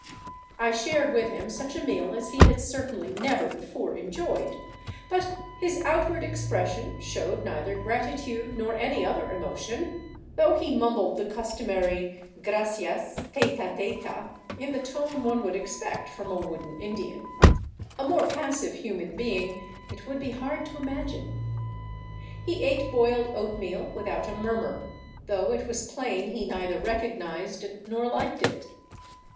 I shared with him such a meal as he had certainly never before 421 VAGABONDING DOWN THE ANDES enjoyed ; but his outward expression showed neither gratitude nor any other emotion, though he mumbled the customary " Gracias, tayta tayta " in the tone one would expect from a wooden Indian. A more passive human being it would be hard to imagine. He ate boiled oatmeal without a murmur, though it was plain he neither recognized nor liked it.